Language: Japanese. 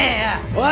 おい！